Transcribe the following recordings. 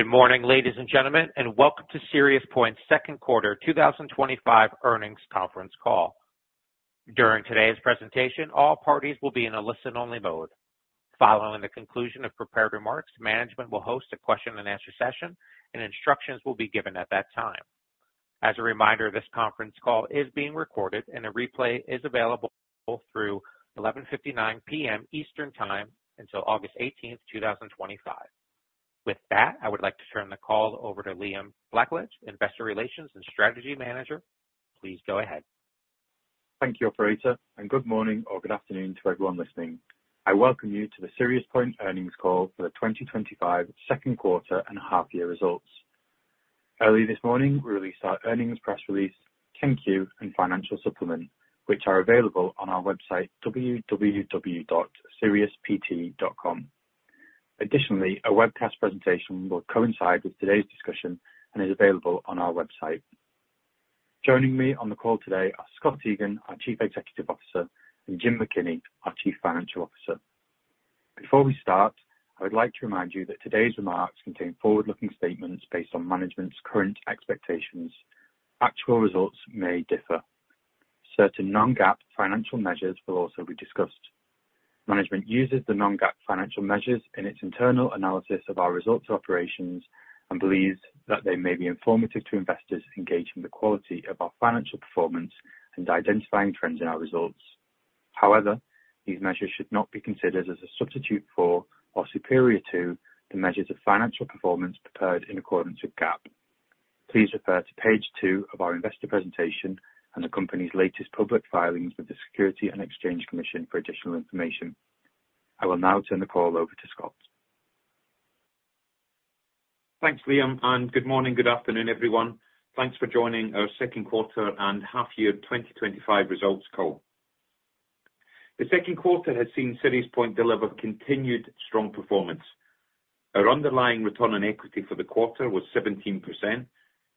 Good morning, ladies and gentlemen, and welcome to SiriusPoint's Second Quarter 2025 Earnings Conference Call. During today's presentation, all parties will be in a listen-only mode. Following the conclusion of prepared remarks, management will host a question and answer session, and instructions will be given at that time. As a reminder, this conference call is being recorded, and a replay is available through 11:59 P.M. Eastern Time until August 18, 2025. With that, I would like to turn the call over to Liam Blackledge, Investor Relations and Strategy Manager. Please go ahead. Thank you, Operator, and good morning or good afternoon to everyone listening. I welcome you to the SiriusPoint earnings call for the 2025 second quarter and half year results. Early this morning we released our Earnings Press Release, 10-Q, and Financial Supplement, which are available on our website www.siriuspt.com. Additionally, a webcast presentation will coincide with today's discussion and is available on our website. Joining me on the call today are Scott Egan, our Chief Executive Officer, and Jim McKinney, our Chief Financial Officer. Before we start, I would like to remind you that today's remarks contain forward-looking statements based on management's current expectations. Actual results may differ. Certain non-GAAP financial measures will also be discussed. Management uses the non-GAAP financial measures in its internal analysis of our results or operations and believes that they may be informative to investors engaged in the quality of our financial performance and identifying trends in our results. However, these measures should not be considered as a substitute for or superior to the measures of financial performance prepared in accordance with GAAP. Please refer to page 2 of our investor presentation and the company's latest public filings with the Securities and Exchange Commission for additional information. I will now turn the call over to Scott. Thanks Liam and good morning. Good afternoon everyone. Thanks for joining our second quarter and half year 2025 results call. The second quarter has seen SiriusPoint deliver continued strong performance. Our underlying return on equity for the quarter was 17%,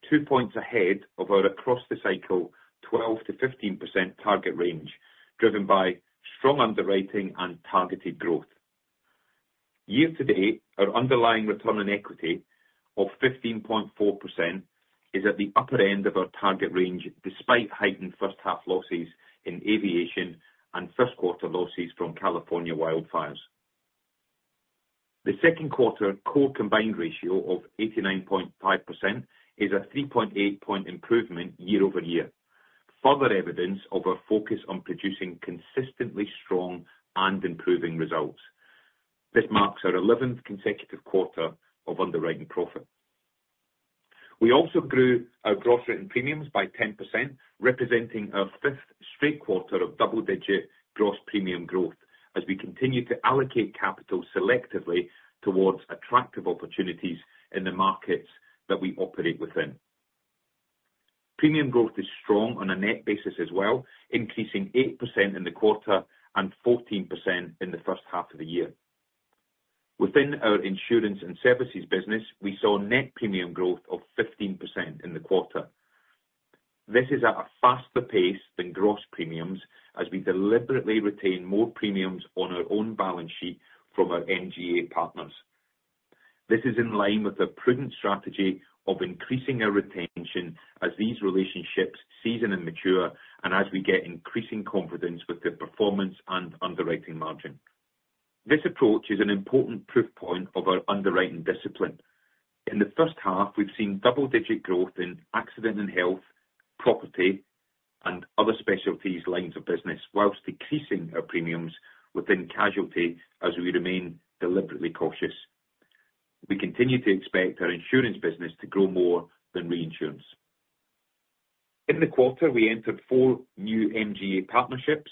two points ahead of our across the cycle 12%-15% target range, driven by strong underwriting and targeted growth. Year to date our underlying return on equity of 15.4% is at the upper end of our target range despite heightened first half losses in aviation and first quarter losses from California wildfires. The second quarter core combined ratio of 89.5% is a 3.8 point improvement year over year, further evidence of our focus on producing consistently strong and improving results. This marks our 11th consecutive quarter of underwriting profit. We also grew our gross written premiums by 10%, representing our fifth straight quarter of double digit gross premium growth as we continue to allocate capital selectively towards attractive opportunities in the markets that we operate within. Premium growth is strong on a net basis as well, increasing 8% in the quarter and 14% in the first half of the year. Within our insurance and services business, we saw net premium growth of 15% in the quarter. This is at a faster pace than gross premiums as we deliberately retain more premiums on our own balance sheet from our MGA partnerships. This is in line with a prudent strategy of increasing our retention as these relationships season and mature and as we get increasing confidence with the performance and underwriting margin. This approach is an important proof point of our underwriting discipline. In the first half we've seen double-digit growth in Accident & Health, property, and other specialty lines of business, whilst decreasing our premiums within casualty. As we remain deliberately cautious, we continue to expect our insurance business to grow more than reinsurance. In the quarter we entered four new MGA partnerships.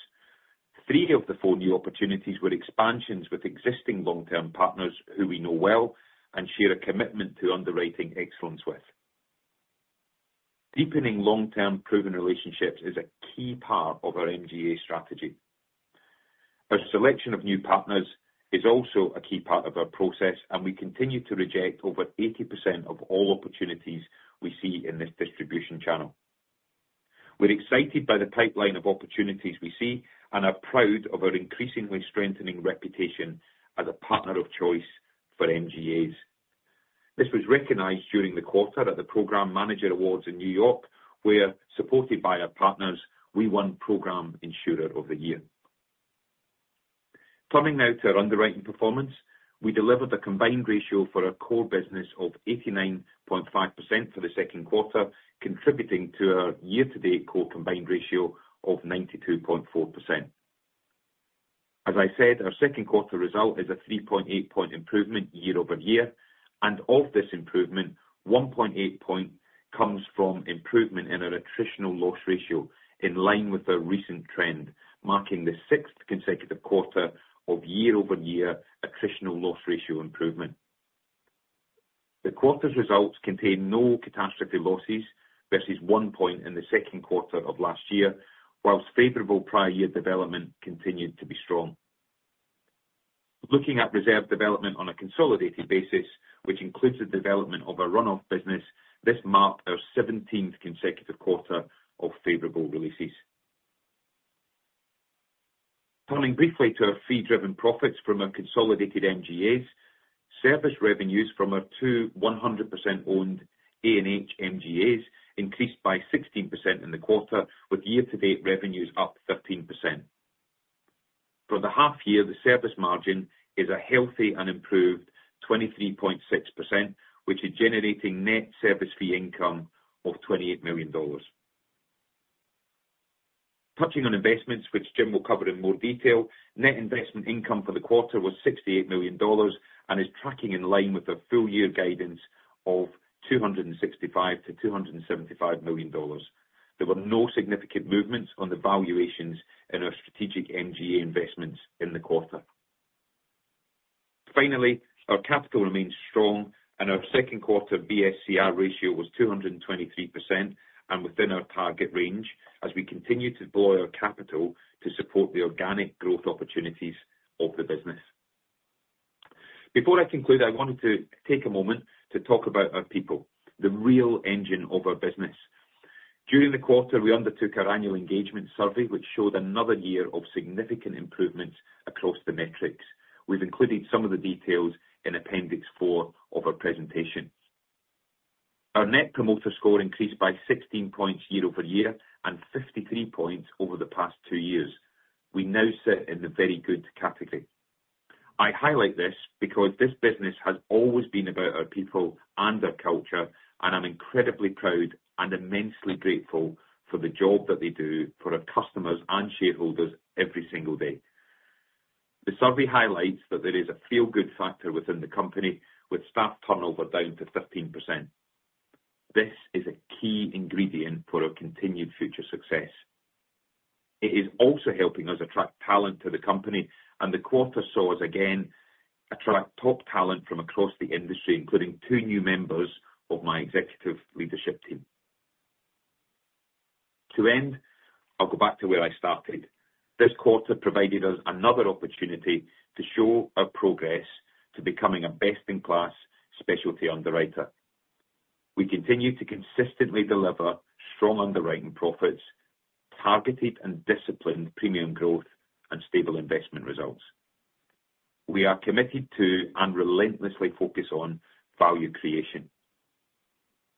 Three of the four new opportunities were expansions with existing long-term partners who we know well and share a commitment to underwriting excellence with. Deepening long term proven relationships is a key part of our MGA partnerships strategy. Our selection of new partners is also a key part of our process and we continue to reject over 80% of all opportunities we see in this distribution channel. We're excited by the pipeline of opportunities we see and are proud of our increasingly strengthening reputation as a partner of choice for MGAs. This was recognized during the quarter at the Programme Manager Awards in New York where, supported by our partners, we won Programme Insurer of the Year. Turning now to our underwriting performance, we delivered a combined ratio for our core business of 89.5% for the second quarter, contributing to our year-to-date core combined ratio of 92.4%. As I said, our second quarter result is a 3.8 point improvement year over year, and of this improvement, 1.8 point comes from improvement in an attritional loss ratio. In line with the recent trend marking the sixth consecutive quarter of year-over-year attritional loss ratio improvement. The quarter's results contain no catastrophe losses versus one point in the second quarter of last year, while favorable prior year development continued to be strong. Looking at reserve development on a consolidated basis, which includes the development of our run-off business, this marked our 17th consecutive quarter of favorable releases. Turning briefly to our fee-driven profits from our consolidated MGAs, service revenues from our two 100% owned A&H MGAs increased by 16% in the quarter, with year-to-date revenues up 15%. For the half year the service margin is a healthy and improved 23.6%, which is generating net service fee income of $28 million. Touching on investments, which Jim will cover in more detail, net investment income for the quarter was $68 million and is tracking in line with the full year guidance of $265 million-$275 million. There were no significant movements on the valuations in our strategic MGA investments in the quarter. Finally, our capital remains strong and our second quarter BSCR ratio was 223% and within our target range as we continue to deploy our capital to support the organic growth opportunities of the business. Before I conclude, I wanted to take a moment to talk about our people, the real engine of our business. During the quarter, we undertook our annual engagement survey, which showed another year of significant improvements across the metrics. We've included some of the details in Appendix 4 of our presentation. Our Net Promoter Score increased by 16 points year over year and 53 points over the past two years. We now sit in the very good category. I highlight this because this business has always been about our people and our culture and I'm incredibly proud and immensely grateful for the job that they do for our customers and shareholders every single day. The survey highlights that there is a feel good factor within the company with staff turnover down to 15%. This is a key ingredient for our continued future success. It is also helping us attract talent to the company and the quarter saw us again top talent from across the industry including two new members of my executive leadership team. To end I'll go back to where I started. This quarter provided us another opportunity to show our progress to becoming a best in class specialty underwriter. We continue to consistently deliver strong underwriting profits, targeted and disciplined premium growth, and stable investment results. We are committed to and relentlessly focus on value creation.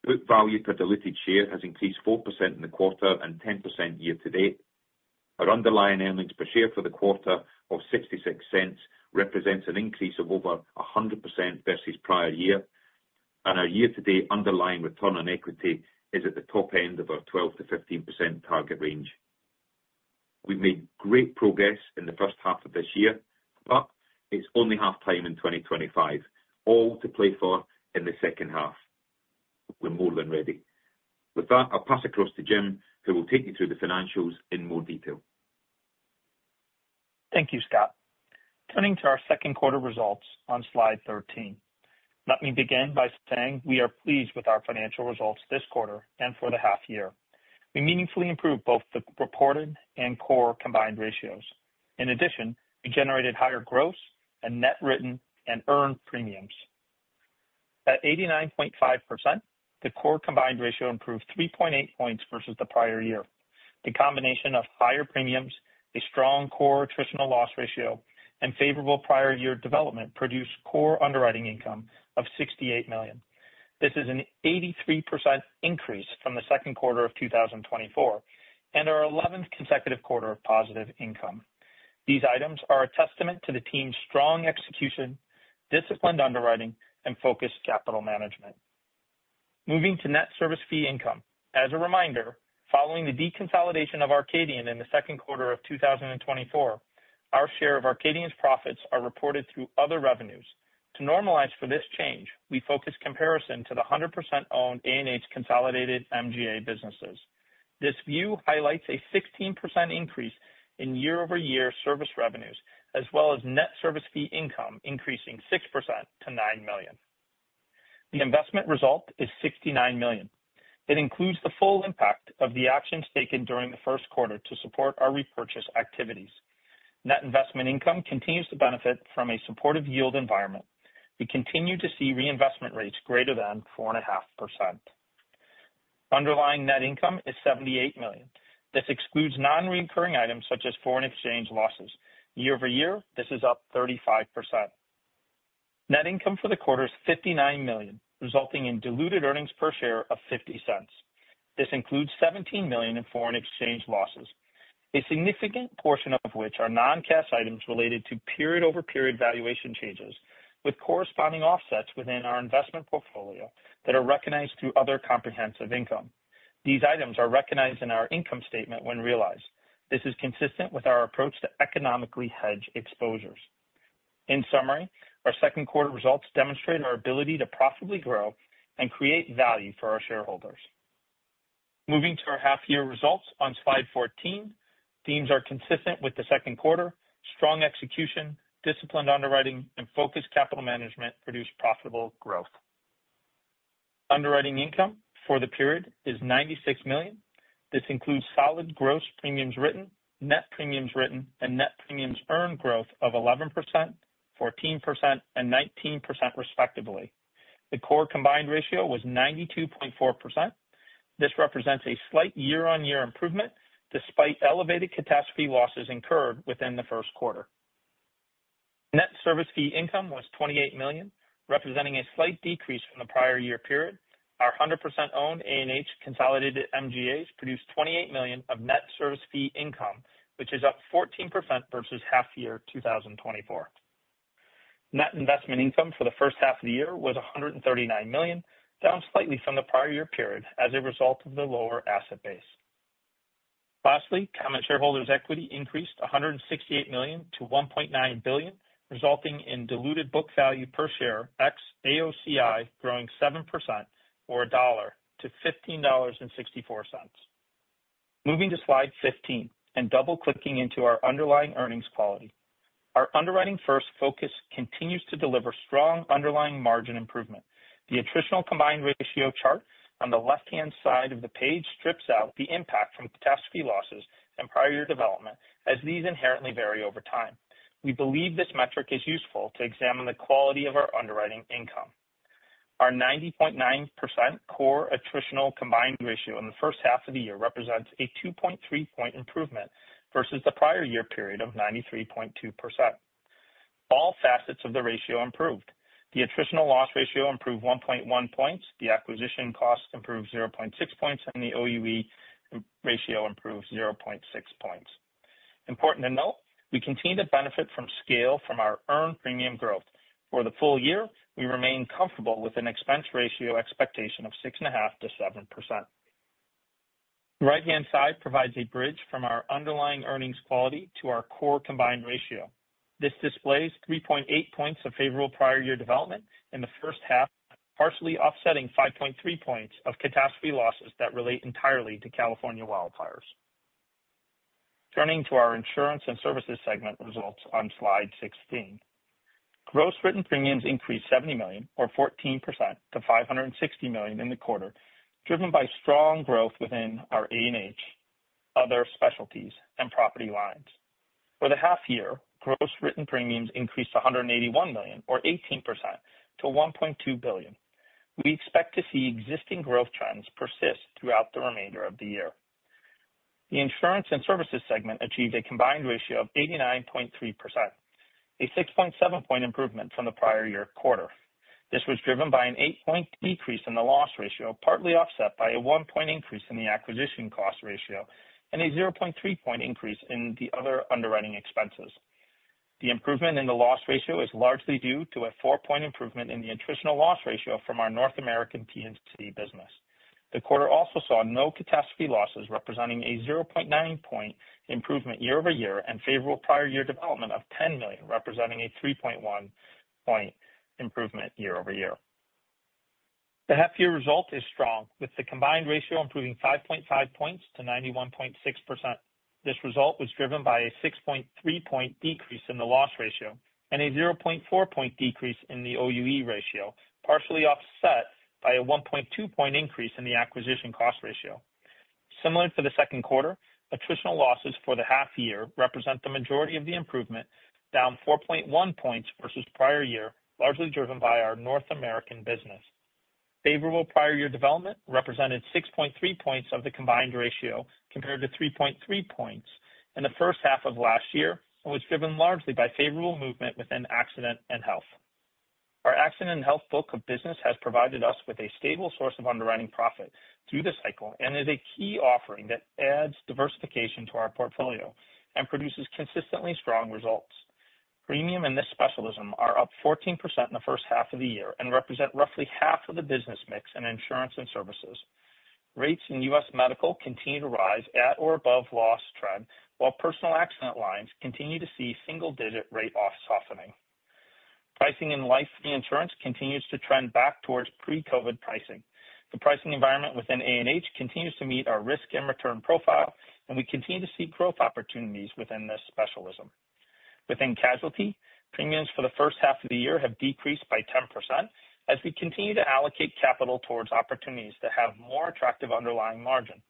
Book value per diluted share has increased 4% in the quarter and 10% year to date. Our underlying earnings per share for the quarter of $0.66 represents an increase of over 100% versus prior year and our year to date underlying return on equity is at the top end of our 12%-15% target range. We've made great progress in the first half of this year, but it's only half time in 2025, all to play for in the second half. We're more than ready. With that I'll pass across to Jim who will take you through the financials in more detail. Thank you, Scott. Turning to our second quarter results on Slide 13, let me begin by saying we are pleased with our financial results this quarter and for the half year. We meaningfully improved both the reported and core combined ratios. In addition, we generated higher gross and net written and earned premiums. At 89.5%, the core combined ratio improved 3.8 points versus the prior year. The combination of higher premiums, a strong core attritional loss ratio, and favorable prior year development produce core underwriting income of $68 million. This is an 83% increase from the second quarter of 2024 and our 11th consecutive quarter of positive income. These items are a testament to the team's strong execution, disciplined underwriting, and focused capital management. Moving to net service fee income, as a reminder, following the deconsolidation of Arcadian in the second quarter of 2024, our share of Arcadian's profits are reported through other revenues. To normalize for this change, we focus comparison to the 100% owned A&H consolidated MGA businesses. This view highlights a 16% increase in year-over-year service revenues as well as net service fee income increasing 6% to $9 million. The investment result is $69 million. It includes the full impact of the actions taken during the first quarter to support our repurchase activities. Net investment income continues to benefit from a supportive yield environment. We continue to see reinvestment rates greater than 4.5%. Underlying net income is $78 million. This excludes non-recurring items such as foreign exchange losses year over year this is up 35%. Net income for the quarter is $59 million, resulting in diluted earnings per share of $0.50. This includes $17 million in foreign exchange losses, a significant portion of which are non-cash items related to period-over-period valuation changes with corresponding offsets within our investment portfolio that are recognized through other comprehensive income. These items are recognized in our income statement when realized. This is consistent with our approach to economically hedge exposures. In summary, our second quarter results demonstrate our ability to profitably grow and create value for our shareholders. Moving to our half year results on Slide 14, themes are consistent with the second quarter. Strong execution, disciplined underwriting, and focused capital management produced profitable growth. Underwriting income for the period is $96 million. This includes solid gross premiums written, net premiums written, and net premiums earned growth of 11%, 14%, and 19% respectively. The core combined ratio was 92.4%. This represents a slight year-on-year improvement despite elevated catastrophe losses incurred within the first quarter. Net service fee income was $28 million, representing a slight decrease from the prior year period. Our 100% owned A&H consolidated MGA partnerships produced $28 million of net service fee income, which is up 14% versus half year 2024. Net investment income for the first half of the year was $139 million, down slightly from the prior year period as a result of the lower asset base. Lastly, common shareholders' equity increased $168 million to $1.9 billion, resulting in diluted book value per share ex AOCI growing 7% or a dollar to $15.64. Moving to slide 15 and double clicking into our underlying earnings quality, our underwriting-first focus continues to deliver strong underlying margin improvement. The attritional combined ratio chart on the left-hand side of the page strips out the impact from catastrophe exposures and prior year development. As these inherently vary over time, we believe this metric is useful to examine the quality of our underwriting income. Our 90.9% core attritional combined ratio in the first half of the year represents a 2.3 point improvement versus the prior year period of 93.2%. All facets of the ratio improved. The attritional loss ratio improved 1.1 points, the acquisition cost improved 0.6 points, and the OUE ratio improved 0.6 points. Important to note, we continue to benefit from scale from our earned premium growth. For the full year we remain comfortable with an expense ratio expectation of 6.5% to 7%. The right-hand side provides a bridge from our underlying earnings quality to our core combined ratio. This displays 3.8 points of favorable prior year development in the first half, partially offsetting 5.3 points of catastrophe exposures that relate entirely to California wildfires. Turning to our insurance and services segment results on slide 16, gross written premiums increased $70 million or 14% to $560 million in the quarter, driven by strong growth within our A&H, other specialties, and property lines. For the half year, gross written premiums increased $181 million or 18% to $1.2 billion. We expect to see existing growth trends persist throughout the remainder of the year. The insurance and services segment achieved a combined ratio of 89.3%, a 6.7 point improvement from the prior year quarter. This was driven by an 8 point decrease in the loss ratio, partly offset by a 1 point increase in the acquisition cost ratio and a 0.3 point increase in the other underwriting expenses. The improvement in the loss ratio is largely due to a 4 point improvement in the attritional loss ratio from our North American P&C business. The quarter also saw no catastrophe losses, representing a 0.9 point improvement year over year, and favorable prior year development of $10 million, representing a 3.1% point improvement year over year. The half year result is strong, with the combined ratio improving 5.5 points to 91.6%. This result was driven by a 6.3 point decrease in the loss ratio and a 0.4 point decrease in the OUE ratio, partially offset by a 1.2 point increase in the acquisition cost ratio. Similar for the second quarter, attritional losses for the half year represent the majority of the improvement, down 4.1 points versus prior year, largely driven by our North American business. Favorable prior year development represented 6.3 points of the combined ratio compared to 3.3 points in the first half of last year and was driven largely by favorable movement within Accident & Health. Our Accident & Health book of business has provided us with a stable source of underwriting profit through the cycle and is a key offering that adds diversification to our portfolio and produces consistently strong results. Premium in this specialism are up 14% in the first half of the year and represent roughly half of the business mix in insurance and services. Rates in U.S. Medical continue to rise at or above loss trend, while personal accident lines continue to see single digit rate softening. Pricing in life insurance continues to trend back towards pre-COVID pricing. The pricing environment within A&H continues to meet our risk and return profile, and we continue to see growth opportunities within this specialism. Within casualty, premiums for the first half of the year have decreased by 10% as we continue to allocate capital towards opportunities that have more attractive underlying margin.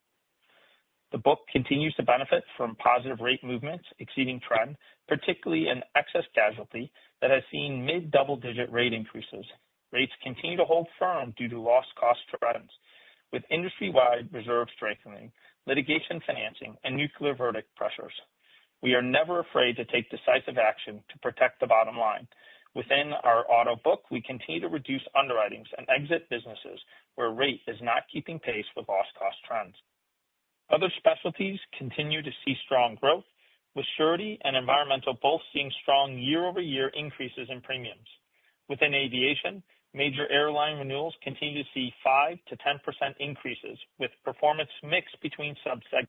The book continues to benefit from positive rate movements exceeding trend, particularly in excess casualty that has seen mid double digit rate increases. Rates continue to hold firm due to loss cost trends, with industry wide reserve strengthening, the litigation, financing, and nuclear verdict pressures. We are never afraid to take decisive action to protect the bottom line. Within our auto book, we continue to reduce underwritings and exit businesses where rate is not keeping pace with loss cost trends. Other specialties continue to see strong growth, with surety and environmental both seeing strong year-over-year increases in premiums. Within aviation, major airline renewals continue to see 5%-10% increases, with performance mixed between subsegments.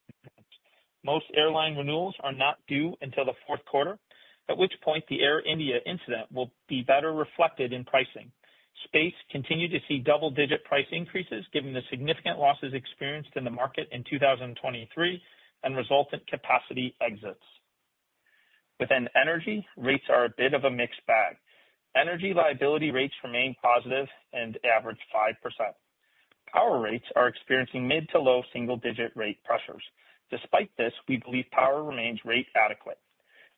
Most airline renewals are not due until the fourth quarter, at which point the Air India incident will be better reflected in pricing. Space continue to see double-digit price increases given the significant losses experienced in the market in 2023 and resultant capacity exits. Within energy, rates are a bit of a mixed bag. Energy liability rates remain positive and average 5%. Power rates are experiencing mid to low single-digit rate pressures. Despite this, we believe power remains rate adequate.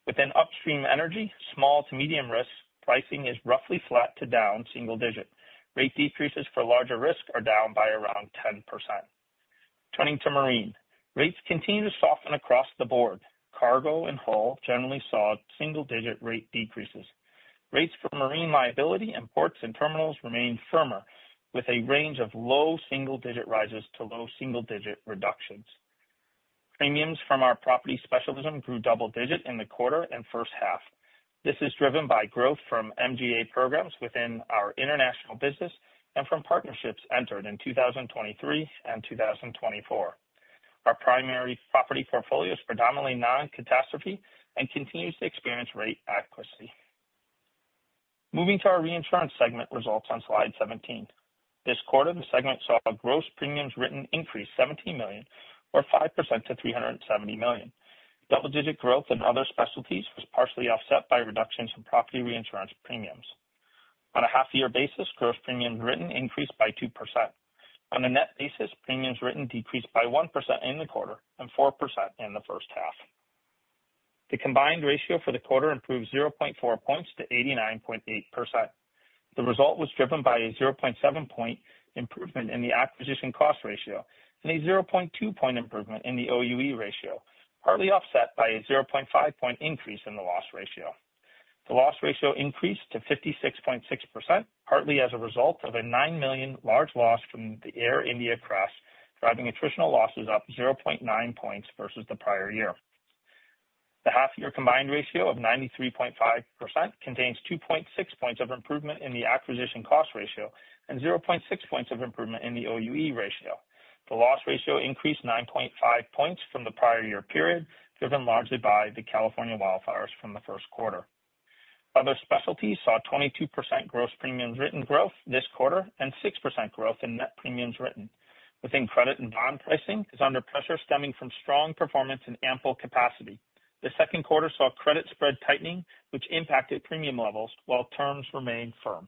Within upstream energy small to medium risk pricing is roughly flat to down single-digit. Rate decreases for larger risk are down by around 10%. Turning to marine, rates continue to soften across the board. Cargo and hull generally saw single-digit rate decreases. Rates for marine liability and ports and terminals remained firmer, with a range of low single-digit rises to low single-digit reductions. Premiums from our property specialism grew double-digit in the quarter and first half. This is driven by growth from MGA programs within our international business and from partnerships entered in 2023 and 2024. Our primary property portfolio is predominantly non-catastrophe and continues to experience rate accuracy. Moving to our reinsurance segment results on Slide 17, this quarter the segment saw a gross written premiums increase of $17 million, or 5%, to $370 million. Double-digit growth in other specialties was partially offset by reductions in property reinsurance premiums. On a half-year basis, gross written premiums increased by 2%. On a net basis, premiums written decreased by 1% in the quarter and 4% in the first half. The combined ratio for the quarter improved 0.4 points to 89.8%. The result was driven by a 0.7 point improvement in the acquisition cost ratio and a 0.2 point improvement in the OUE ratio, partly offset by a 0.5 point increase in the loss ratio. The loss ratio increased to 56.6%, partly as a result of a $9 million large loss from the Air India cross by driving attritional losses up 0.9 points Versus the prior year. The half year combined ratio of 93.5% contains 2.6 points of improvement in the acquisition cost ratio and 0.6 points of improvement in the OUE ratio. The loss ratio increased 9.5 points from the prior year period, driven largely by the California wildfires from the first quarter. Other specialties saw 22% gross written premiums growth this quarter and 6% growth in net premiums written. Within credit and bond pricing is under pressure stemming from strong performance and ample capacity. The second quarter saw credit spread tightening, which impacted premium levels while terms remained firm.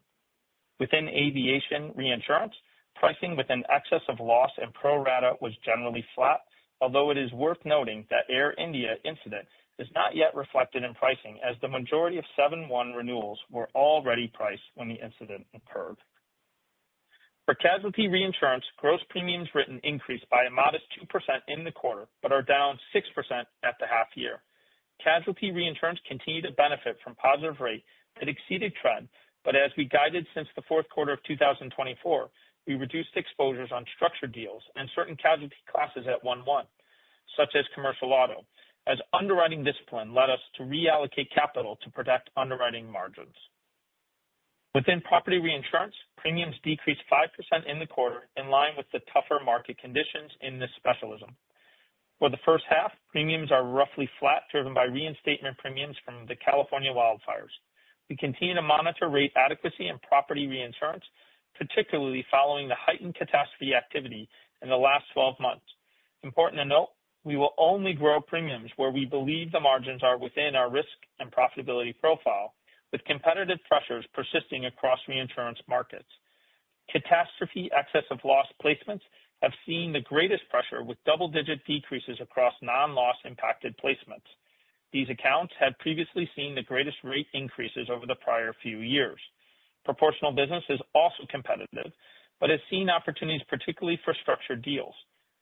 Within aviation reinsurance pricing within excess of loss and pro rata was generally flat. Although it is worth noting that the Air India incident is not yet reflected in pricing as the majority of 7/1 renewals were already priced when the incident occurred. For casualty reinsurance, gross premiums written increased by a modest 2% in the quarter but are down 6% at the half year. Casualty reinsurance continued to benefit from positive rate that exceeded trend, but as we guided since the fourth quarter of 2024, we reduced exposures on structured deals and certain casualty classes at 1:1 such as commercial auto as underwriting discipline led us to reallocate capital to protect underwriting margins. Within property reinsurance, premiums decreased 5% in the quarter in line with the tougher market conditions in this specialism. For the first half, premiums are roughly flat driven by reinstatement premiums from the California wildfires. We continue to monitor rate adequacy in property reinsurance, particularly following the heightened catastrophe activity in the last 12 months. It is important to note, we will only grow premiums where we believe the margins are within our risk and profitability profile with competitive pressures persisting across reinsurance markets. Catastrophe excess of loss placements have seen the greatest pressure with double-digit decreases across non-loss impacted placements. These accounts had previously seen the greatest rate increases over the prior few years. Proportional business is also competitive but has seen opportunities, particularly for structured deals.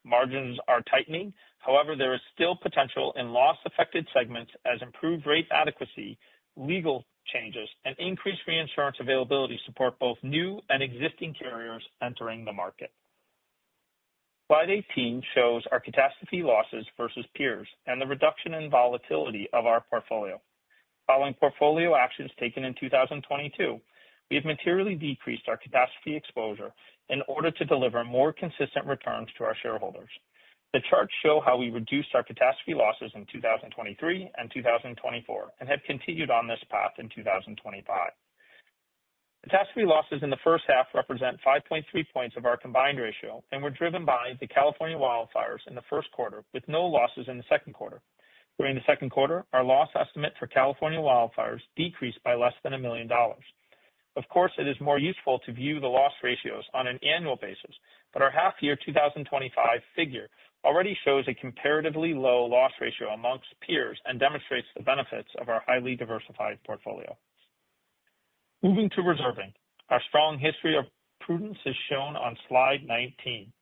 Margins are tightening, however, there is still potential in loss-affected segments as improved rate adequacy, legal changes, and increased reinsurance availability support both new and existing carriers entering the market. Slide 18 shows our catastrophe losses versus peers and the reduction in volatility of our portfolio following portfolio actions taken in 2022. We have materially decreased our catastrophe exposure in order to deliver more consistent returns to our shareholders. The charts show how we reduced our catastrophe losses in 2023 and 2024 and have continued on this path in 2025. Catastrophe losses in the first half represent 5.3 points of our combined ratio and were driven by the California wildfires in the first quarter with no losses in the second quarter. During the second quarter, our loss estimate for California wildfires decreased by less than $1 million. Of course, it is more useful to view the loss ratios on an annual basis, but our half year 2025 figure already shows a comparatively low loss ratio amongst peers and demonstrates the benefits of our highly diversified portfolio. Moving to reserving. Our strong history of prudence is shown on slide 19.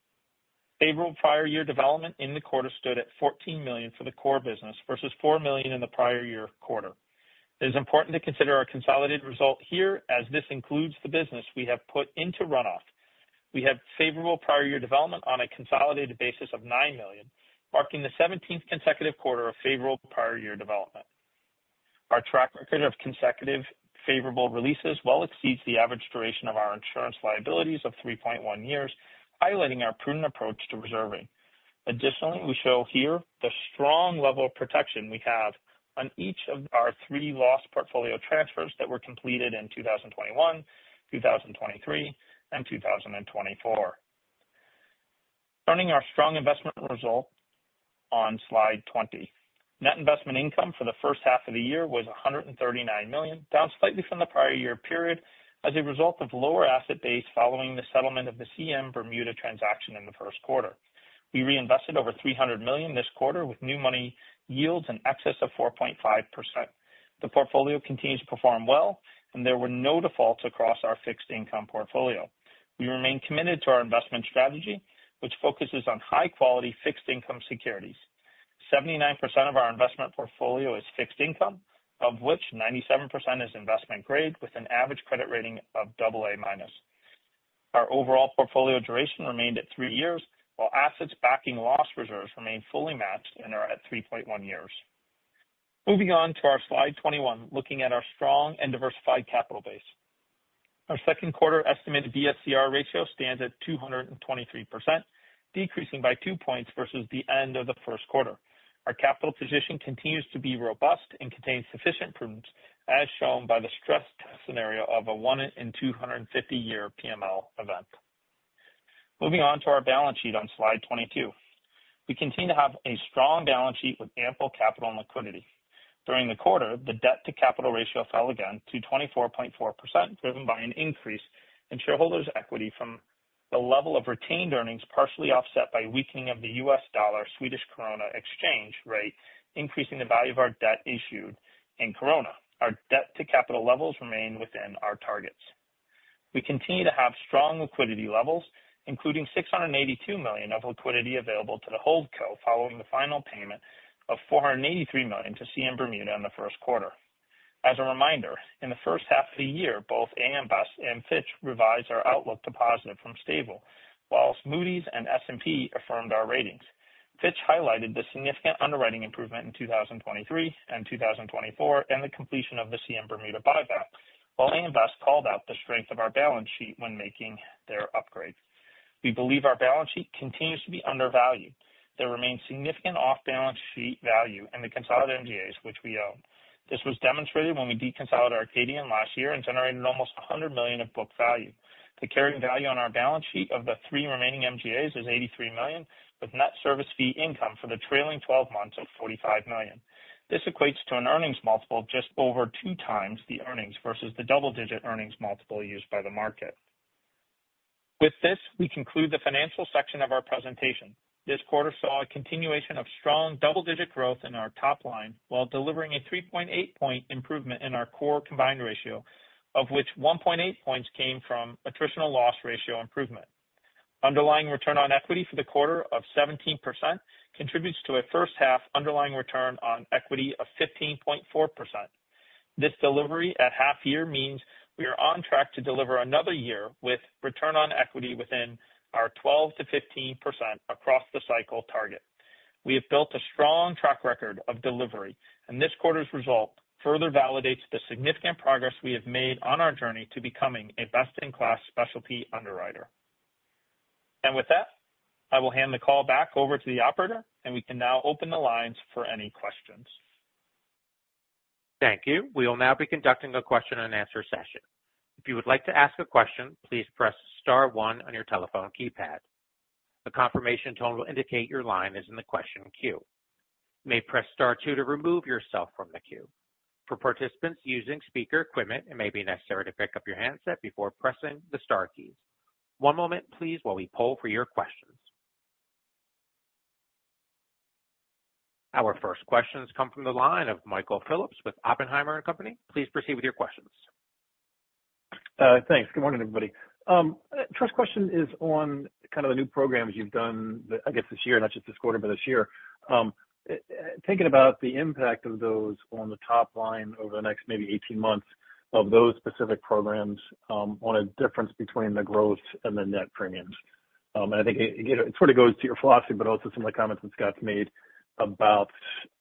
Favorable prior year development in the quarter stood at $14 million for the core business versus $4 million in the prior year quarter. It is important to consider our consolidated result here as this includes the business we have put into runoff. We have favorable prior year development on a consolidated basis of $9 million, marking the 17th consecutive quarter of favorable prior year development. Our track record of consecutive favorable releases well exceeds the average duration of our insurance liabilities of 3.1 years, highlighting our prudent approach to reserving. Additionally, we show here the strong level of protection we have on each of our three loss portfolio transfers that were completed in 2021, 2023, and 2024. Starting our strong investment result on slide 20, net investment income for the first half of the year was $139 million, down slightly from the prior year period as a result of lower asset base following the settlement of the CM Bermuda transaction in the first quarter We reinvested over $300 million this quarter with new money yields in excess of 4.5%. The portfolio continues to perform well and there were no defaults across our fixed income portfolio. We remain committed to our investment strategy, which focuses on high quality fixed income securities. 79% of our investment portfolio is fixed income, of which 97% is investment grade with an average credit rating of AA minus. Our overall portfolio duration remained at 3 years while assets backing loss reserves remain fully matched and are at 3.1 years. Moving on to our slide 21, looking at our strong and diversified capital base, our second quarter estimated BSCR ratio stands at 223%, decreasing by 2 points versus the end of the first quarter. Our capital position continues to be robust and contains sufficient prudence as shown by the stress test scenario of a 1 in 250 year PML event. Moving on to our balance sheet on slide 22, we continue to have a strong balance sheet with ample capital and liquidity. During the quarter, the debt to capital ratio fell again to 24.4%, driven by an increase in shareholders' equity from the level of retained earnings, partially offset by weakening of the U.S. dollar Swedish krona exchange rate increasing the value of our debt issued in krona. Our debt to capital levels remain within our targets. We continue to have strong liquidity levels, including $682 million of liquidity available to the Holdco following the final payment of $483 million to CM Bermuda in the first quarter. As a reminder, in the first half of the year both AM Best and Fitch revised our outlook to positive from stable, whilst Moody's and S&P affirmed our ratings. Fitch highlighted the significant underwriting improvement in 2023 and 2024 and the completion of the CM Bermuda buyback. While AM Best called out the strength of our balance sheet when making their upgrade, we believe our balance sheet continues to be undervalued. There remains significant off-balance sheet value in the consolidated MGAs which we own. This was demonstrated when we deconsolidated Arcadian last year and generated almost $100 million of book value. The carrying value on our balance sheet of the three remaining MGAs is $83 million, with net service fee income for the trailing 12 months of $45 million. This equates to an earnings multiple just over two times the earnings versus the double digit earnings multiple used by the market. With this, we conclude the financial section of our presentation. This quarter saw a continuation of strong double-digit growth in our top line, while delivering a 3.8 point improvement in our core combined ratio, of which 1.8 points came from attritional loss ratio improvement. Underlying return on equity for the quarter of 17% contributes to a first half underlying return on equity of 15.4%. This delivery at half year means we are on track to deliver another year with return on equity within our 12 to 15% range across the cycle target, we have built. A strong track record of delivery, and this quarter's result further validates the significant progress we have made on our journey to becoming a best-in-class specialty underwriter. With that, I will hand the call back over to the operator, and we can now open the lines for any questions. Thank you. We will now be conducting the question and answer session. If you would like to ask a question, please press star one on your telephone keypad. The confirmation tone will indicate your line is in the question queue. You may press star two to remove yourself from the queue. For participants using speaker equipment, it may be necessary to pick up your handset before pressing the star key. One moment please while we poll for your questions. Our first questions come from the line of Michael Phillips with Oppenheimer & Co. Please proceed with your questions. Thanks. Good morning everybody. First question is on kind of the new programs you've done, I guess this year, not just this quarter but this year. Thinking about the impact of those on the top line over the next maybe 18 months of those specific programs on a difference between the growth and the net premiums? I think it sort of goes to your philosophy, but also some of the comments that Scott's made about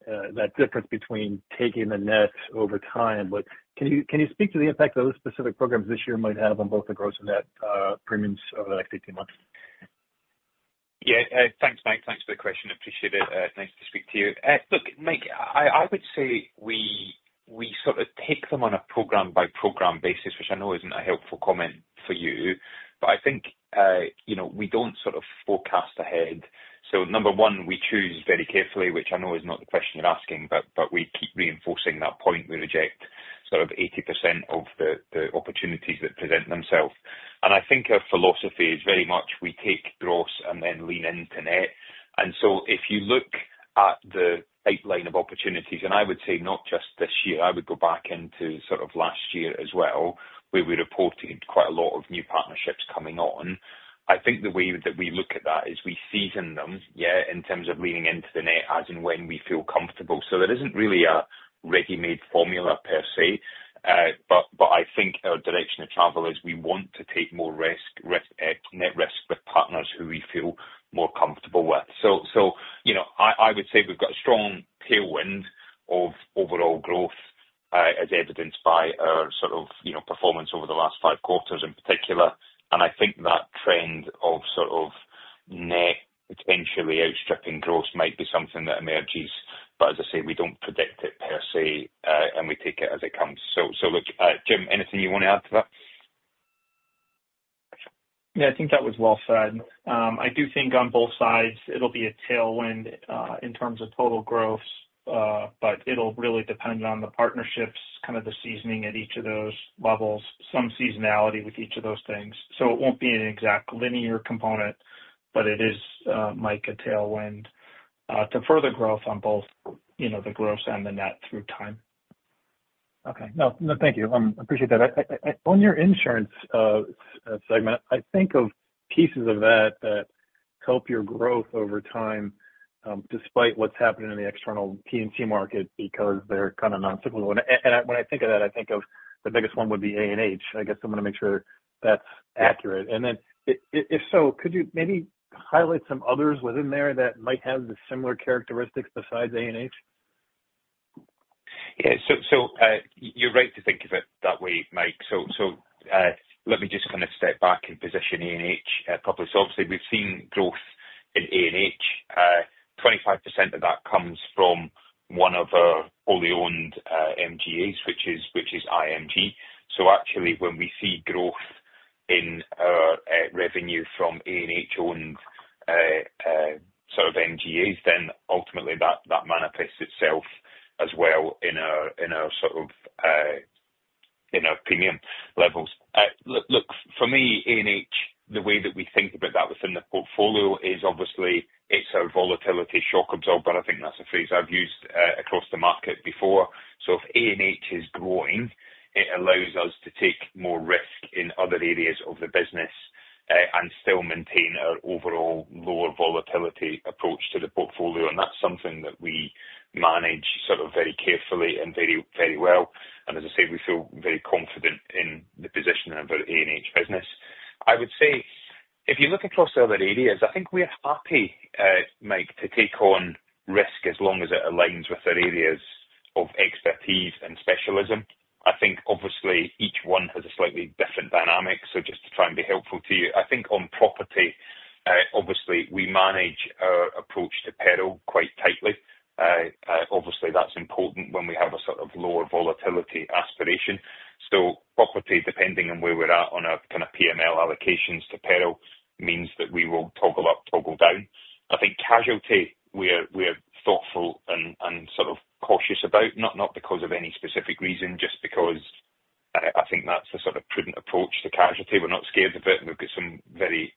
that difference between taking the net over time. Can you speak to the impact those specific programs this year might have on both the gross and net premiums over the next 18 months? Yeah, thanks, Mike. Thanks for the question. Appreciate it. Nice to speak to you. Look, Mike, I would say we sort of take them on a program by program basis, which I know isn't a helpful comment for you, but I think we don't sort of forecast ahead. Number one, we choose very carefully, which I know is not the question you're asking, but we are reinforcing that point. We reject sort of 80% of the opportunities that present themselves. I think our philosophy is very much we take gross and then lean into net. If you look at the pipeline of opportunities, and I would say not just this year, I would go back into last year as well where we reported quite a lot of new partnerships coming on. I think the way that we look at that is we season them in terms of leaning into the net as and when we feel comfortable. There isn't really a ready made formula per se. I think our direction of travel is we want to take more risk, net risk with partners who we feel more comfortable with. I would say we've got a strong tailwind of overall growth as evidenced by our sort of performance over the last five quarters in particular. I think that trend of sort of net initially outstripping growth might be something that emerges, but as I say we don't predict it per se and we take it as it is. Jim, anything you want to add to that? Yeah, I think that was well said. I do think on both sides it'll be a tailwind in terms of total growth, but it'll really depend on the partnerships, kind of the seasoning at each of those levels, some seasonality with each of those things. It won't be an exact linear component, but it is, Mike, a tailwind to further growth on both, you know, the gross and the net through time. Okay. No, thank you. I appreciate that. On your insurance segment, I think of pieces of that that help your growth over time despite what's happening in the external P&T market because they're kind of non-cyclical, and when I think of that, I think of the biggest one would be A&H. I guess I'm going to make sure that's accurate, and then if so, could you maybe highlight some others within there that might have the similar characteristics besides A&H. Yeah, you're right to think of it that way, Mike. Let me just step back and position A&H public. We've seen growth in A&H 25% of that comes from one of our only owned MGAs, which is IMG. When we see growth in our revenue from A&H owned sort of MGAs, that ultimately manifests itself as well in our premium levels. Look for me A&H the way that we think about that within the portfolio, it's obviously a volatility shock absorber. I think that's a phrase I've used across the market before. If A&H is growing, it allows us to take more risk in other areas of the business and still maintain our overall lower volatility approach to the portfolio. That's something that we manage very carefully and very well. As I said, we feel very confident in the position of our A&H business. I would say if you look across other areas, I think we are happy, Mike, to take on risk as long as it aligns with their areas of expertise and specialism. I think obviously each one has a slightly different dynamic. Just to try and be helpful to you, I think on property, obviously we manage our approach to peril quite tightly. Obviously that's important when we have a sort of lower volatility aspiration. Still property, depending on where we're at on our kind of PML allocations to peril means that we will toggle up, toggle down. I think casualty, we are thoughtful and sort of cautious about, not because of any specific reason, just because I think that's the sort of prudent approach to casualty. We're not scared of it and we've got some very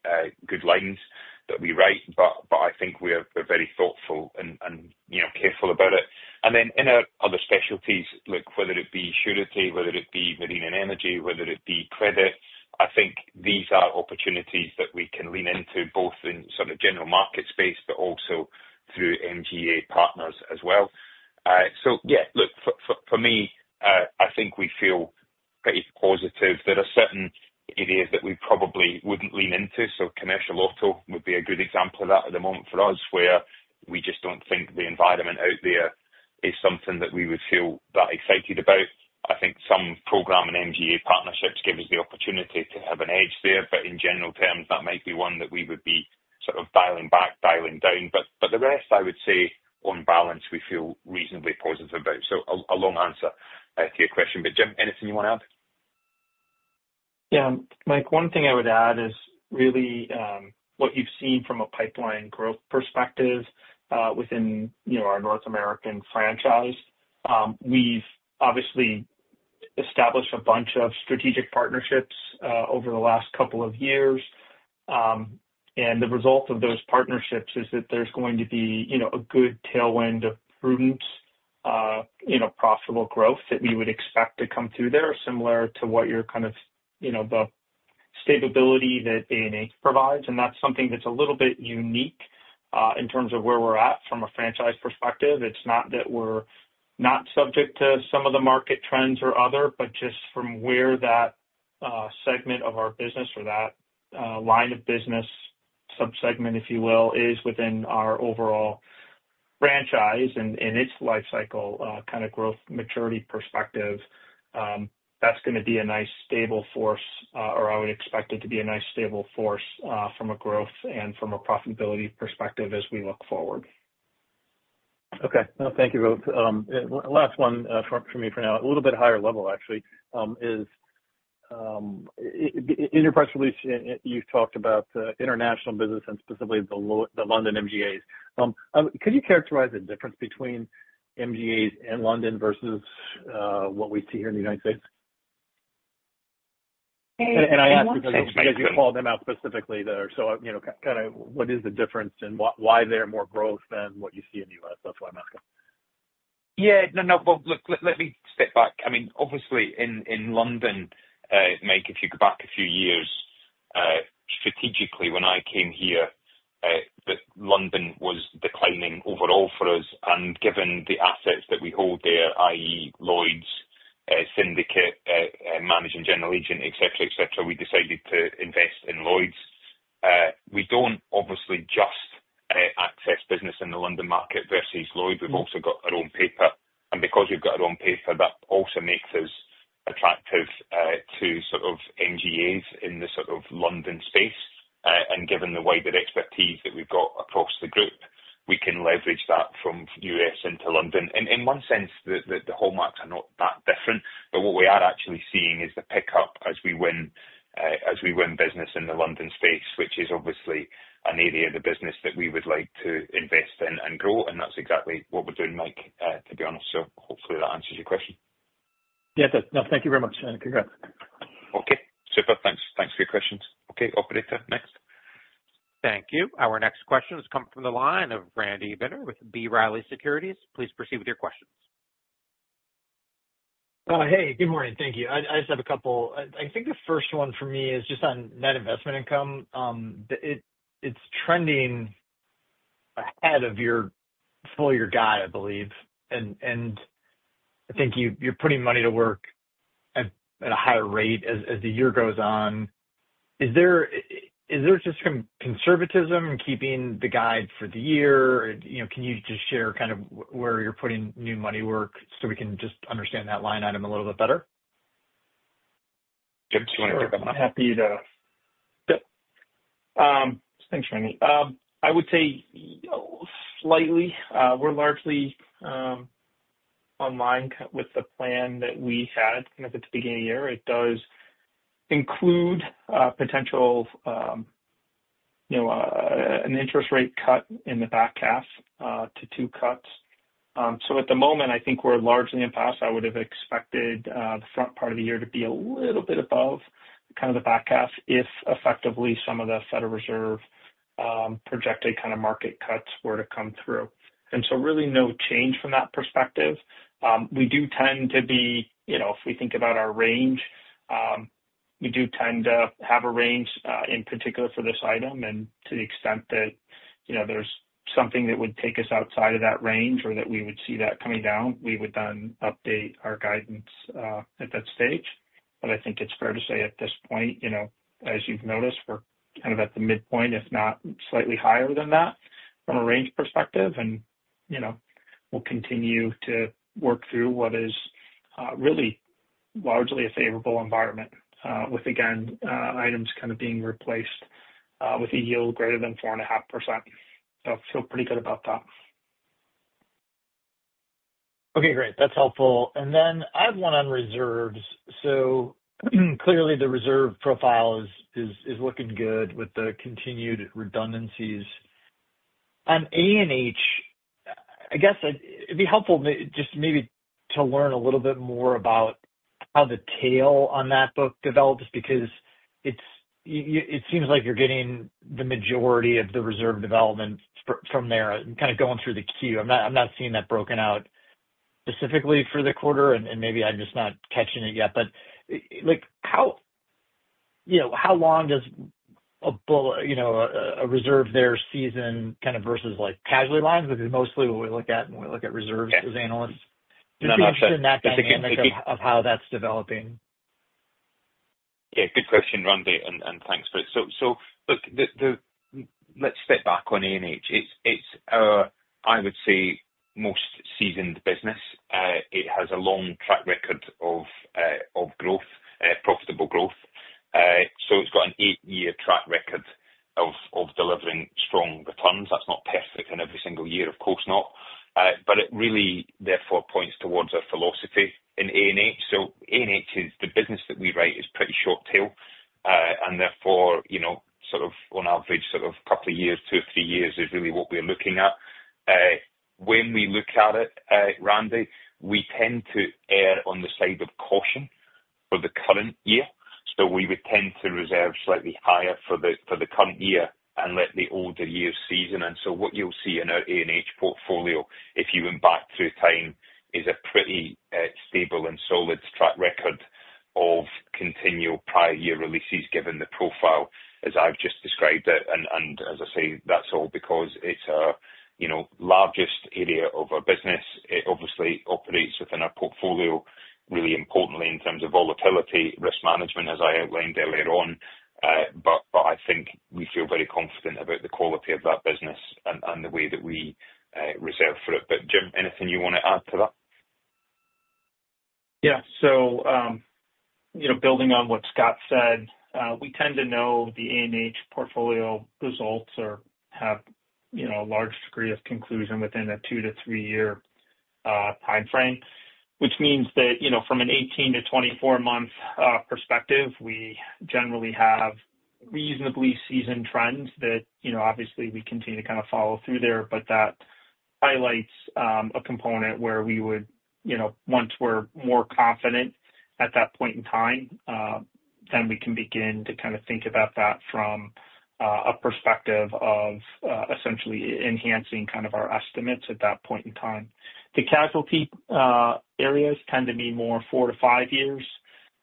good lines that we write, but I think we're very thoughtful and careful about it. In our other specialties, whether it be surety, whether it be marine and energy, whether it be credit, I think these are opportunities that we can lean into, both in the general market space, but also through MGA partners as well. Yeah, look for me, I think we feel pretty positive there are certain areas that we probably wouldn't lean into. Commercial Auto would be a good example of that at the moment for us where we just don't think the environment out there is something that we would feel that excited about. I think some program and MGA partnerships give us the opportunity to have an edge there. In general terms that might be one that we would be sort of dialing back, dialing down. The rest I would say on balance, we feel reasonably positive about. A long answer to your question, but Jim, anything you want to add? Yeah, Mike, one thing I would add. Is really what you've seen from a pipeline growth perspective within our North American franchise. We've obviously established a bunch of strategic partnerships over the last couple of years, and the result of those partnerships is that there's going to be a good tailwind of prudent, profitable growth that we would expect to come through. They're similar to what you're, you know, the stability that A&H provides. That's something that's a little bit unique in terms of where we're at from a franchise perspective. It's not that we're not subject to some of the market trends or other but just from where that segment of our business or that line of business subsegment, if you will, is within our overall franchise and its life cycle kind of growth maturity perspective. That's going to be a nice stable force or I would expect it to be a nice stable force from a growth and from a profitability perspective as we look forward. Okay, no, thank you both. Last one for me for now, a little bit higher level actually. In your press release, you've talked about international business and specifically the London MGA. Could you characterize the difference between MGAs in London versus what we see here in the United States? I asked because you called them out specifically there. You know, kind of what it is the difference and why they're more growth than what you see in the U.S., that's why I'm asking. Yeah, let me step back. I mean, obviously in London, Mike. If you go back a few years, strategically when I came here, London was declining overall for us, and given the assets that we hold there, i.e., Lloyd's Syndicate, Managing General Agent, etc., we decided to invest in Lloyd's. We don't obviously just access business in the London market versus Lloyd's. We've also got our own paper, and because we've got our own paper, that also makes us attractive to sort of MGAs in the London space. Given the wider expertise that we've got across the group, we can leverage that from us into London. In one sense, the hallmarks are not that different. What we are actually seeing is the pickup as we win business in the London space, which is obviously an area of the business that we would like to invest in and grow. That's exactly what we're doing, Mike, to be honest. Hopefully that answers your question. Yeah, no, thank you very much. Congrats. Okay, super, thanks. Thanks for your questions. Okay, operator, next. Thank you. Our next question has come from the line of Randy Binner with B. Riley Securities. Please proceed with your questions. Hey, good morning. Thank you. I just have a couple. I think the first one for me is just on net investment income. It's trending ahead of your full year guide, I believe. I think you're putting money to work at a higher rate as the year goes on. Is there just some conservatism keeping the. Guide for the year? Can you just share kind of where. You're putting new money to work so we can just understand that line item a little bit better? Jim, do you want to take that one up? I'm happy to. Thanks, Randy. I would say slightly, we're largely online. With the plan that we had at the beginning of the year, it does include potential, you know, an interest rate cut in the back half to two cuts. At the moment I think we're largely impasse. I would have expected the front part of the year to be a little bit above kind of the back half if effectively some of the Federal Reserve projected kind of market cuts were to come through. There is really no change from that perspective. We do tend to be, you know, if we think about our range, we do tend to have a range in particular for this item. To the extent that there's something that would take us outside of that range or that we would see that coming down, we would then update our guidance at that stage. I think it's fair to say at this point, as you've noticed, we're kind of at the midpoint, if not slightly higher than that from a range perspective. We'll continue to work through what is really largely a favorable environment with, again, items kind of being replaced with a yield greater than 4.5%. I feel pretty good about that. Okay, great, that's helpful. I have one on reserves. Clearly the reserve profile is looking good with the continued redundancies. On A&H, I guess it'd be helpful just maybe to learn a little bit more about how the tail on that book develops because it seems like you're getting the majority of the reserve development from there, kind of going through the queue. I'm not seeing that broken out specifically for the quarter and maybe I'm just not catching it yet. How long does a bullet, reserve there season kind of versus like casualty lines, which is mostly what we look at, when we look at reserves as analysts, of how that's developing. Yeah, good question, Randy, and thanks for it. Let's step back on A&H. It's, I would say,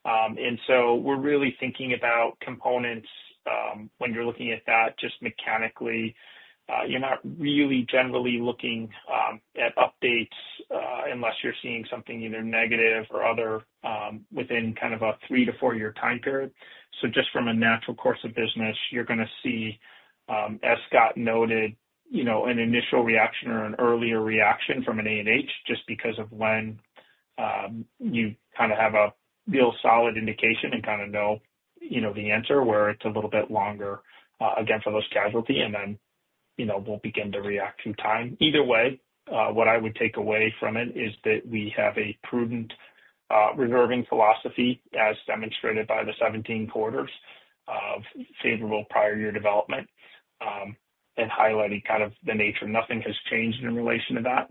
The casualty areas tend to be more four to five years. We're really thinking about components. When you're looking at that just mechanically, you're not really generally looking at updates unless you're seeing something either negative or other within kind of a three to four year time period. Just from a natural course of business, you're going to see, as Scott noted, an initial reaction or an earlier reaction from A&H just because of when you kind of have a real solid indication and kind of know the answer where it's a little bit longer against almost casualty and then you know, we'll begin to react in time either way. What I would take away from it is that we have a prudent reserving philosophy as demonstrated by the 17 quarters of favorable prior year development and highlighted kind of the nature nothing has changed in relation to that.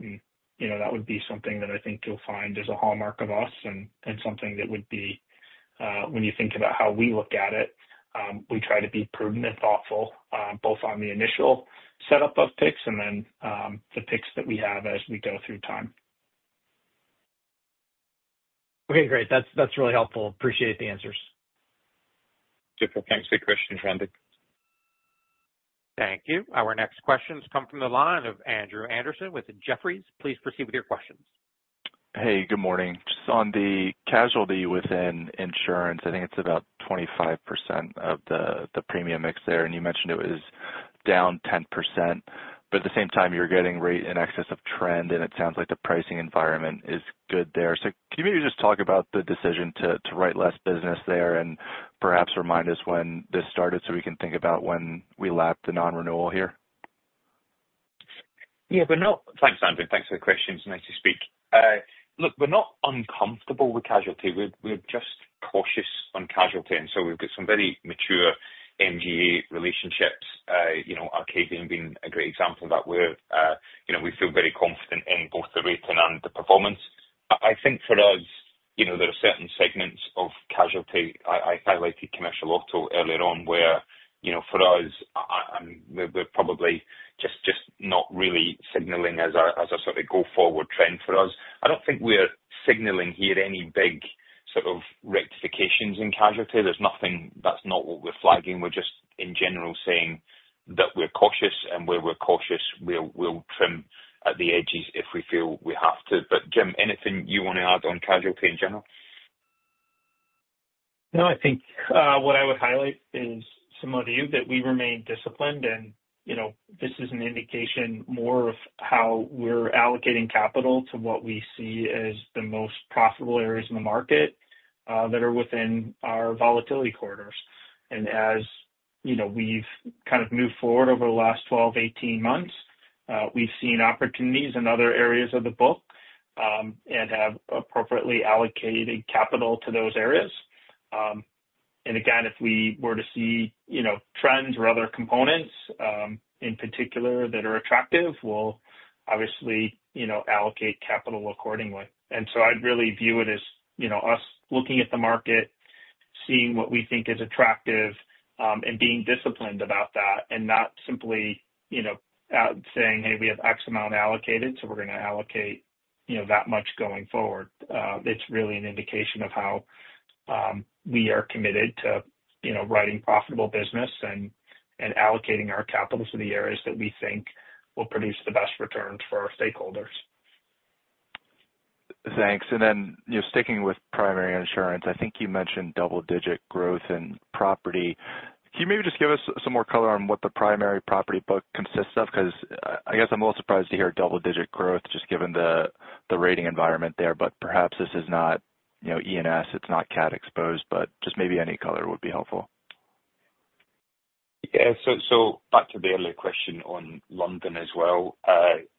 That would be something that I think you'll find as a hallmark of us and something that would be when you think about how we look at it. We try to be prudent and thoughtful both on the initial setup of picks and then the picks that we have as we go through time. Okay, great. That's really helpful. Appreciate the answers. Thanks for the question, Randy. Thank you. Our next questions come from the line of Andrew Andersen with Jefferies. Please proceed with your questions. Hey, good morning. Just on the casualty within insurance, I think it's about 25% of the premium mix there, and you mentioned it was down 10%, but at the same time you're getting rate in excess of trend, and it sounds like the pricing environment is good there. Can you maybe just talk about the decision to write less business there and perhaps remind us when this started so we can think about when we lap the non-renewal here? Yeah, not. Thanks, Andrew. Thanks for the question. It's nice to speak. Look, we're not uncomfortable with casualty, we're just cautious on casualty. We've got some very mature MGA relationships, Arcadian being a great example of that where we feel very confident in both the rating and the performance. I think for us there are certain segments of casualty. I highlighted commercial auto earlier on where for us we're probably just not really signaling as a sort of go forward trend for us. I don't think we're signaling here any big sort of rectifications in casualty. That's not what we're flagging. We're just in general saying that we're cautious and where we're cautious we'll trim at the edges if we feel we have to. Jim, anything you want to add on casualty in general? No, I think what I would highlight is that we remain disciplined, and this is an indication more of how we're allocating capital to what we see as the most profitable areas in the market that are within our volatility quarters. As you know, we've kind of moved forward over the last 12, 18 months. We've seen opportunities in other areas of the book and have appropriately allocated capital to those areas. If we were to see trends or other components in particular that are attractive, we'll obviously allocate capital accordingly. I'd really view it as us looking at the market, seeing what we think is attractive, and being disciplined about that, not simply saying, hey, we have X amount allocated so we're going to allocate that much going forward. It's really an indication of how we are committed to writing profitable business and allocating our capital to the areas that we think will produce the best returns for our stakeholders. Thanks. Sticking with primary insurance, I think you mentioned double digit growth in property. Can you maybe just give us some more color on what the primary property book consists of? I'm a little surprised to hear double digit growth just given the rating environment there. Perhaps this is not ENS, it's not cat exposed, but just maybe any color would be helpful. Back to the earlier question on London as well,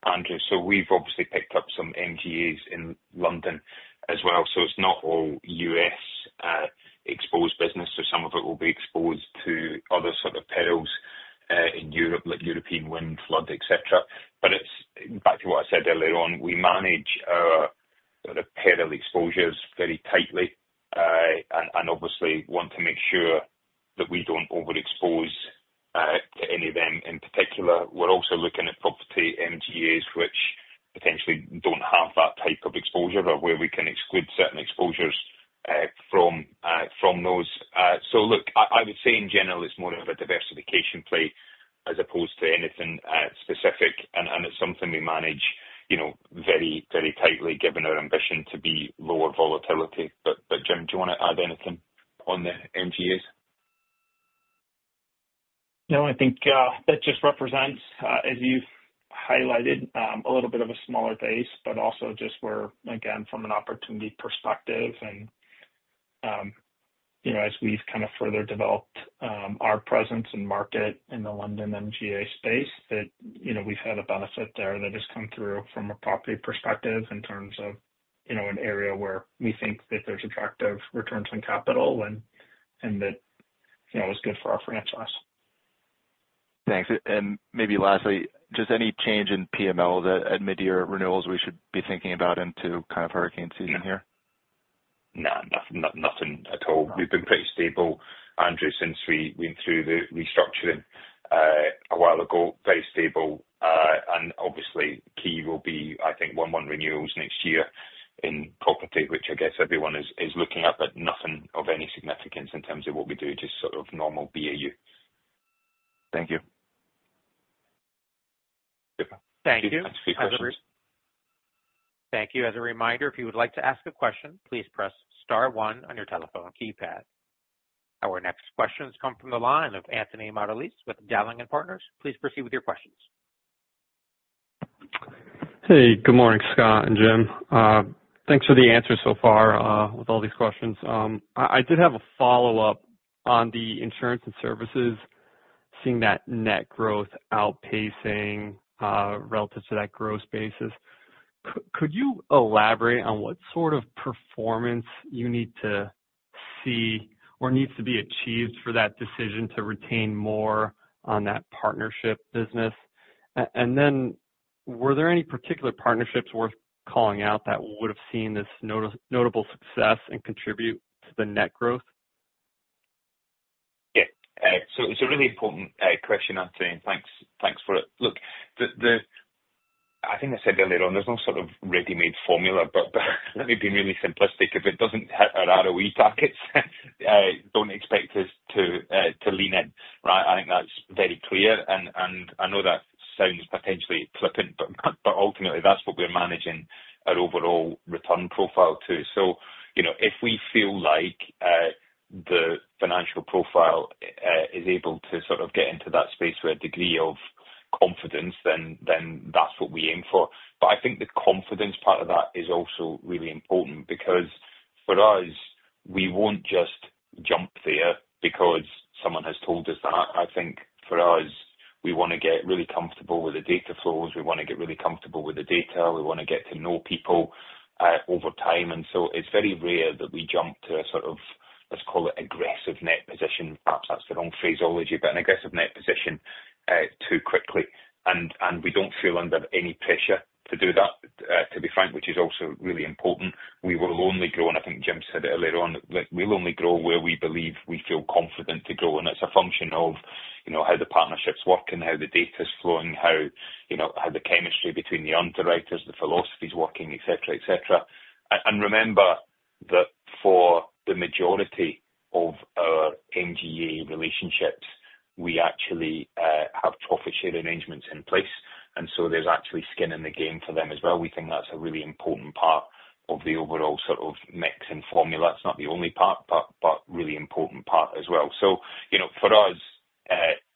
Andrew. We've obviously picked up some MGAs in London as well. It's not all U.S. exposed business. Some of it will be exposed to other sort of perils in Europe like European wind, flood, etc. It's back to what I said earlier on. We manage our peril exposures very tightly and obviously want to make sure that we don't overexpose to any of them. In particular, we're also looking at property MGAs which potentially don't have that type of exposure or where we can exclude certain exposures from those. I would say in general it's more of a diversification play as opposed to anything specific and it's something we manage very tightly given our ambition to be lower volatility. Jim, do you want to add anything on the MGAs? No, I think that just represents, as you highlighted. A little bit of a smaller base, but also just where, again from an opportunity perspective, as we've kind of further developed our presence and market in the London MGA space, we've had a benefit there that has come through from a property perspective in terms of an area where we think that there's attractive returns on capital, and that is good for our franchise. Thanks. Lastly, just any change in PML at midyear renewals we should be thinking about into kind of hurricane season here. Nothing at all. We've been pretty stable, Andrew, since we went through the restructuring a while ago. Very stable. Obviously, key will be, I think, 1/1 renewals next year in property, which I guess everyone is looking at, but nothing of any significance in terms of what we do. Just sort of normal BAU. Thank you. Thank you. As a reminder, if you would like to ask a question, please press Star one on your telephone keypad. Our next questions come from the line of Anthony Mottolese with Dowling & Partners, please proceed with your questions. Hey, good morning Scott and Jim, thanks for the answer so far with all these questions. I did have a follow up on the insurance and services. Seeing that net growth outpacing relative to that gross basis, could you elaborate on what sort of performance you need to see or needs to be achieved for that decision to retain more on that partnership business? Were there any particular partnerships worth calling out that would have seen this notable success and contribute to the net growth? Yeah, it's a really important question. Anthony, and thanks, thanks for it. Look, I think I said earlier on there's no sort of ready-made formula, but let me be really simplistic. If it doesn't hit our ROE targets, don't expect us to lean in, right? I think that's very clear and I know that sounds potentially flippant, but ultimately that's what we're managing our overall return profile to. If we feel like the financial profile is able to sort of get into that space where degree of confidence, then that's what we aim for. I think the confidence part of that is also really important because for us we won't just jump there because someone has told us that. I think for us we want to get really comfortable with the data flows, we want to get really comfortable with the data, we want to get to know people over time. It's very rare that we jump to a sort of, let's call it aggressive net position, perhaps that's the wrong phraseology, but an aggressive net position too quickly and we don't feel under any pressure to do that, to be frank, which is also really important. We will only grow, and I think Jim said it earlier on, we'll only grow where we believe we feel confident to grow. It's a function of how the partnerships work and how the data is flowing, how the chemistry between the own directors, the philosophy is working, etc. etc. Remember that for the majority of our MGA relationships, we actually have profit share arrangements in place and so there's actually skin in the game for them as well. We think that's a really important part of the overall sort of mix and formula. It's not the only part, but really important part as well. For us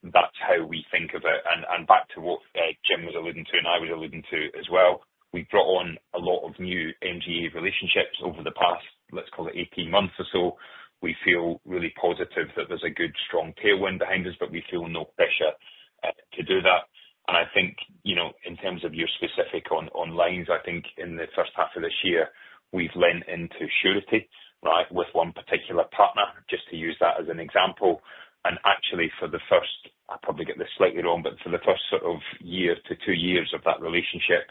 that's how we think of it. Back to what Jim was alluding to and I was alluding to as well, we brought on a lot of new MGA relationships over the past, let's call it 18 months or so. We feel really positive that there's a good strong tailwind behind us, but we feel no pressure to do that. I think, in terms of your specific on lines, I think in the first half of this year we've lent into surety, right. With one particular partner, just to use that as an example. For the first, I probably get this slightly wrong, but for the first sort of year to two years of that relationship,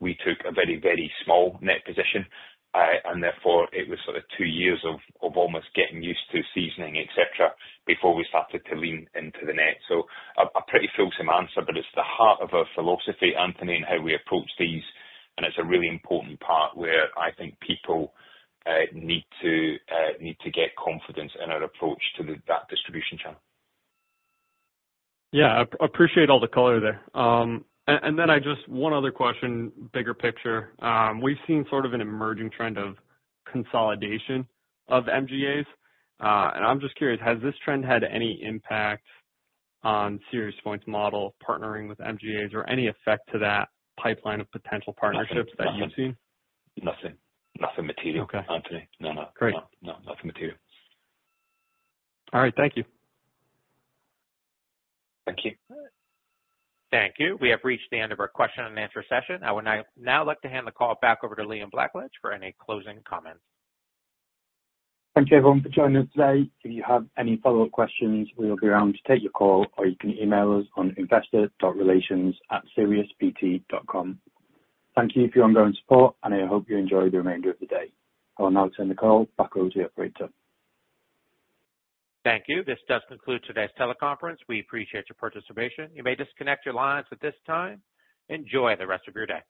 we took a very, very small net position and therefore it was sort of two years of almost getting used to seasoning, et cetera, before we started to lean into the net. A pretty fulsome answer, but it's the heart of our philosophy, Anthony, and how we approach these and it's a really important part where I think people need to get confidence in our approach to the distribution channel. Yeah, I appreciate all the color there. I just have one other question, bigger picture. We've seen sort of an emerging trend of consolidation of MGAs. I'm just curious, has this trend had any impact on SiriusPoint's model partnering with MGAs or any effect to that pipeline of potential partnerships that you've seen? Nothing. Nothing material, Anthony. No, no. Great. No. Nothing material. All right, thank you. Thank you. Thank you. We have reached the end of our question and answer session. I would now like to hand the call back over to Liam Blackledge for any closing comments. Thank you everyone for joining us today. If you have any follow up questions, we will be around to take your call or you can email us on investor.relations@siriuspt.com. Thank you for your ongoing support and I hope you enjoy the remainder of the day. I will now turn the call back over to the operator. Thank you. This does conclude today's teleconference. We appreciate your participation. You may disconnect your lines at this time. Enjoy the rest of your day.